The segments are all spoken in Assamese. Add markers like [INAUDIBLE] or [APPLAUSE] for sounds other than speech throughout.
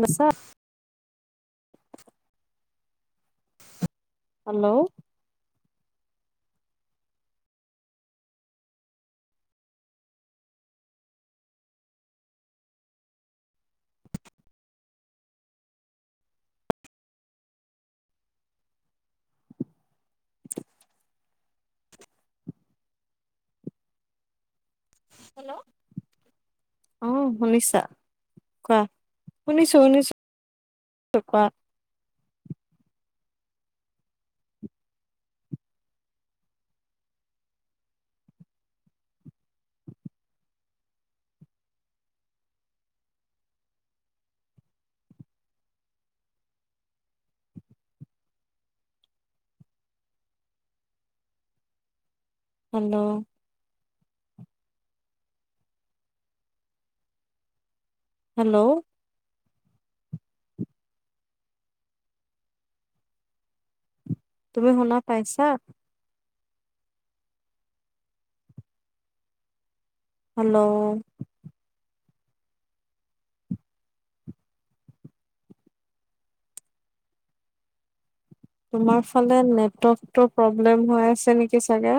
নাছা। হেল্ল'। হেল্ল'। অ' শুনিছা? কোৱা, শুনিছো শুনিছো কোৱা। হেল্ল'। হেল্ল'। তুমি শুনা পাইচা? হেল্ল'। তোমাৰ ফালে নেটকটো প্ৰব্লেম হৈ আছে নেকিচাগে?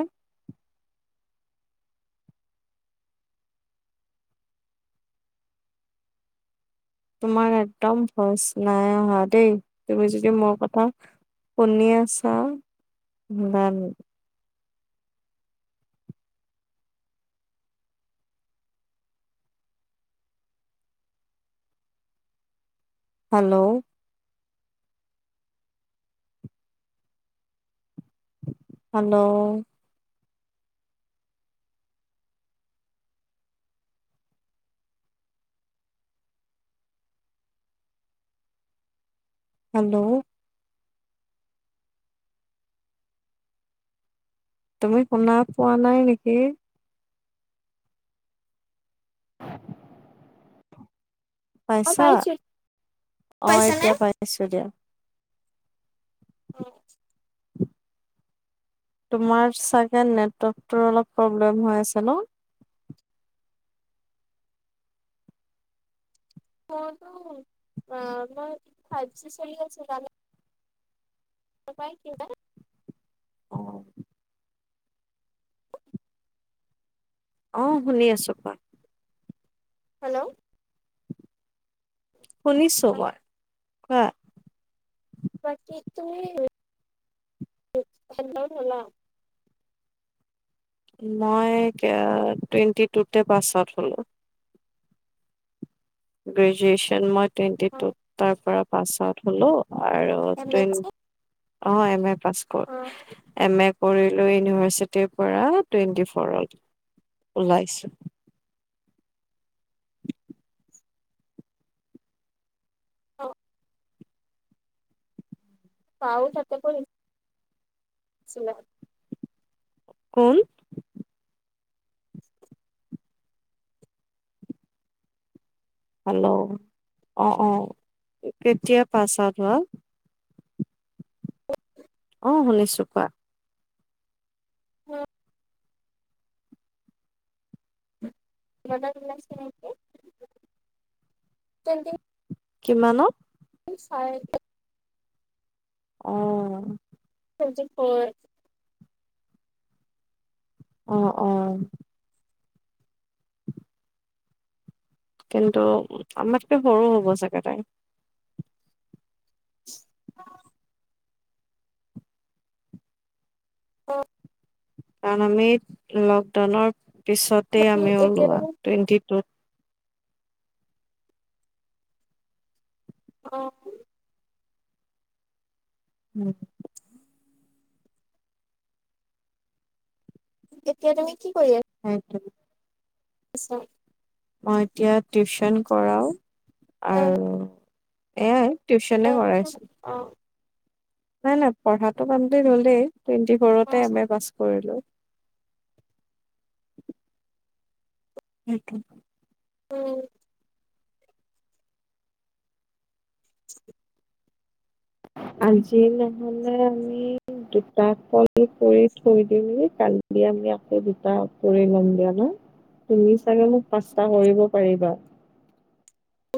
তোমাৰ এত্দম ভইচ নাই অহা দেই, তুমি যদি মোৰ কথা শুনি আছা দেন হেল্ল'। হেল্ল'। হেল্ল'। তুমি শুনা পোৱা নাই নেকি? অ', পাইছা? পাইছোঁ, অ পাইছানে? এতিয়া পাইছো দিয়া। অ। তোমাৰ চাগে নেটৰ্কটোৰ অলপ প্ৰব্লেম হৈ আছে ন? অ মই ফাইভ জি চলি আছে কানে। তাপাই [UNINTELLIGIBLE] অ। অ শুনি আছো কোৱা। হেল্ল' শুনিছোঁ মই। কোৱা? বাকি তুমি [UNINTELLIGIBLE] হলা? মই কিয়াত টুৱেণ্টি টুতে পাছ আউট হ'লো। গ্ৰেজুৱেচন মইত টুৱেণ্টি অ', টুত তাৰ পৰাপ পাছ আউট হলোঁ। আৰু টইন অ এম এট পাছ কৰ এম এ কৰিলো ইউনিভাৰ্চিটিৰ পৰা টুৱেণ্টি ফৌৰত ওলাইছো। অ। বা ও তাতে পঢ়ি ছিলে। কোন? হেল্ল' অঁ অঁ, কেতিয়া পাছ আউট হোৱা? অ শুনিছো কোৱা। হ তে [UNINTELLIGIBLE] কিমানত চাৰ অ তজি ফ আহ অ কিন্তু আমাতকে সৰু হ'ব চাগে তাই [INAUDIBLE] অ আমি লকডাউনৰ [UNINTELLIGIBLE] পিছতে আমি এতিয়া ওলোৱা তুমি টুৱেণ্টি টুত আহ উম তেতিয়া তুমি কি কৰিবা সটো [UNINTELLIGIBLE] আছাম মই এতিয়া টিউচন কৰাও অ', আৰু এ টিউচনে কৰাইছো অ', নাই নাই পঢ়াটো কমপপ্লেট হ'লেই টুৱেণ্টি ফ'ৰতে এম এ পাছ কৰিলো সেইটো উম আজি নহলে আমি দুটা কল কৰি থৈ দিমগি কালি আমি আকৌ দুটা কৰি ল'ম দিয়া ন তুমি চাগে মোক পাঁচটা কৰিব পাৰিবা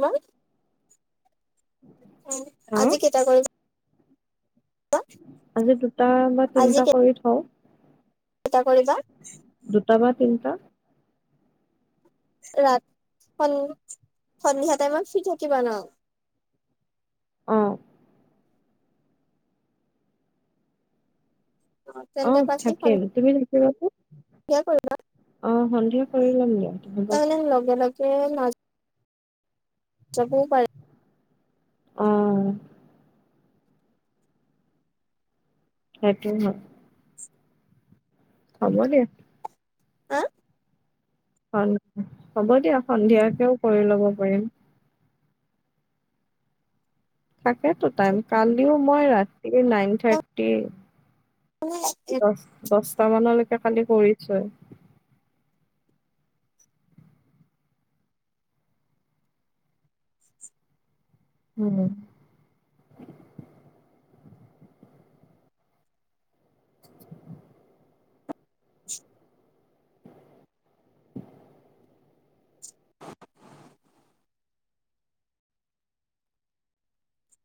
হয় উ হা আজি কেইটা কৰি আজি দুটা বা তিনটা কৰি থওঁ এটা কৰিবা তবা তিনটা ৰা সন্ সন্ধিয়া টাইমত ফ্ৰী থাকিবা ন অ অ তেন্তে বাকী থাকে সন্ধিয়া তুমি থাকিম তুমি থাকিবা নে কৰিবা অ সন্ধিয়া কৰি ল'ম দিয়া হব তে মাজ [UNINTELLIGIBLE] [UNINTELLIGIBLE] পাৰী আহ সেইটো হয় হব দে আহ হয় হ'ব দিয়া সন্ধিয়াকেও কৰি লব পাৰিম থাকেতো টাইম কালিও মই ৰাতি এই নাইন থাৰ্টি মানে দ দছটা মানলে তই খালি কৰিছই। উম। [INAUDIBLE]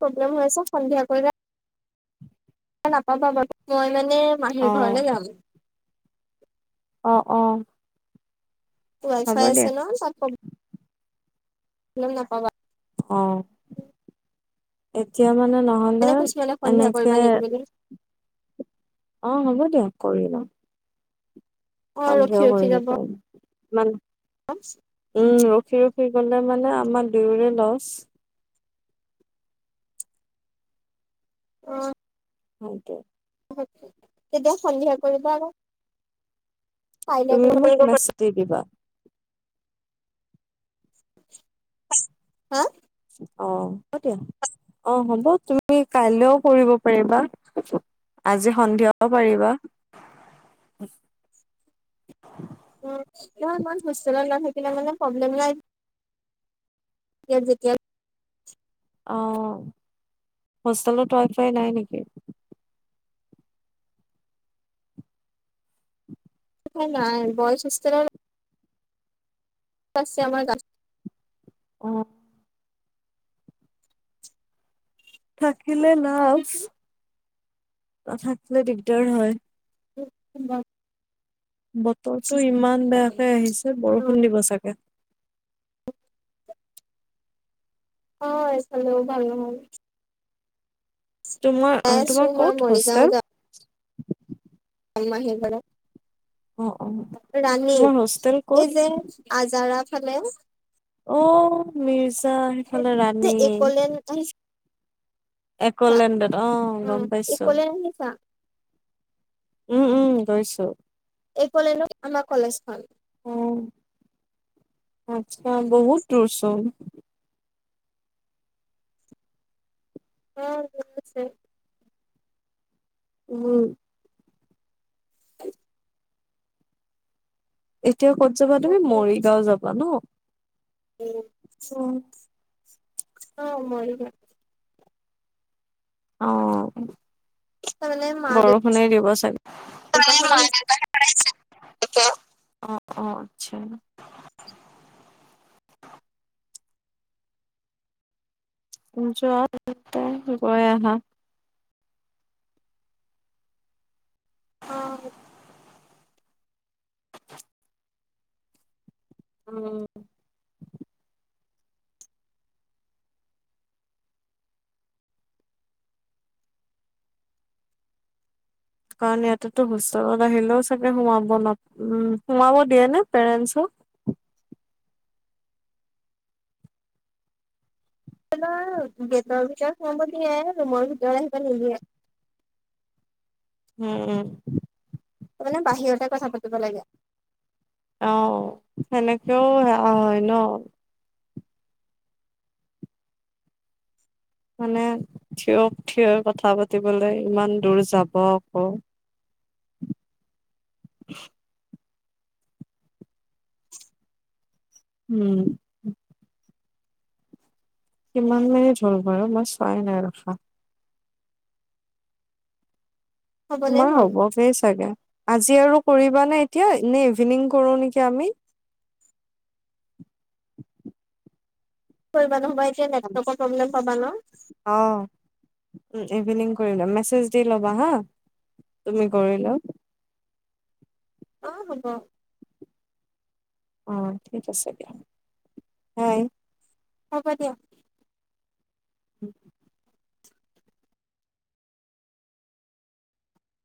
প্ৰব্লেম হৈ আছে সন্ধিয়া কৰিলে নাপাবা বাৰু মই মানে অ মাহীৰ ঘৰলে যাম। অঁ অঁ। ৱাই ফাই আছে ন তাত কম। নাপাবা অ', এতিয়া মানে নহলে এনে কৈছিলে সন্ধিয়া কৰিবা এনেকে নেকি বুলি অ অ', হ'ব দিয়া কৰি ল'ম সন্ধিয়া ৰখি কৰি ৰখি যাব দিম উম অ উম ৰখি থাকি গ'লে মানে আমাৰ দুয়োৰে লছ অ', [UNINTELLIGIBLE] তেতিয়া সন্ধিয়া কৰিবা আৰু তুমি কৰিব বচ দি দিবা হা অ' হ'ব দিয়া অ' হ'ব তুমি কাইলৈও কৰিব পাৰিবা আজি সন্ধিয়াও পাৰিবা উম নহয় ইমান হোষ্টেলত ল থাকিলে মানে প্ৰব্লেম নাই যেতিয়া অ' হোষ্টেলত ৱাই- ফাই নাই নেকি? নাই বয়ছ হোষ্টেলত আছে আমাৰ গাছ অ' থাকিলে নাছ। গাঁৱত নাথাকিলে দিগদাৰ হয়। [INAUDIBLE] বতৰটো ইমান বেয়াকে আহিছে বৰষুণ দিব চাগে। হয় চালেও ভাল নহ'ল। তোমাৰ -তোমাৰ মই ক'ত মৰিগাঁও হোষ্টেল? [INAUDIBLE] অ অ ৰাণী তোমাৰ হোষ্টেল ক'ত এই যে আজাৰাত। হেল্ল' অঁ, মিৰছ [UNINTELLIGIBLE] সেইফালে যে ৰাণী। একলেন আহিছা একলেণ্ডত, অঁ উম গম পাইছো। একলেন আহিছা উম উম গৈছো। একলেণ্ডত আমাৰ কলেজখন। অঁ। অঁ বহুত দুৰ চোন। অঁ [UNINTELLIGIBLE] আছে। উমহম। এতিয়া ক'ত যাবা তুমি মৰিগাঁও যাবা ন। উম অঁ, মই ও অঁ। তাৰমানে মা বৰষুণেই দিবচা [UNINTELLIGIBLE] [UNINTELLIGIBLE] অ দেউতাহঁত আহিছে অ আচ্ছা। [UNINTELLIGIBLE] গৈ আহা। অঁ। উম। কাৰণ ইয়াতেতো হোষ্টেলত আহিলেও চাগে সোমাব [UNINTELLIGIBLE] সোমাব দিয়ে নে পেৰেণ্টছক। [UNINTELLIGIBLE] গেটৰ ভিতৰত সোমাব দিয়ে, ৰুমৰ ভিতৰত আহিব নিদিয়ে। উম তাৰ মানে বাহিৰতে কথা পাতিব লাগে। অঁ, সেনেকেও সেয়া হয় ন। মানে থিয় থিয়ই কথা পাতিবলৈ ইমান দূৰ যাব আকৌ। উম কিমান মিনিট হল বাৰু মই চোৱাই নাই ৰখা। হ'বলে তোমাৰ হ'ল হ'ব গেই চাগে। আজি আৰু কৰিবানে এতিয়া এনে ইভিনিং কৰো নেকি আমি। কৰিবা নহ'বাই নেটৱৰ্কৰ প্ৰব্লেম পাবা ন। অ', ইভিনিং কৰি ল'ম, মেচেজ দি ল'বা হা, তুমি কৰি লেও। অঁ হ'ব। অঁ ঠিক আছে দিয়া, বাই। হ'ব দিয়া। উম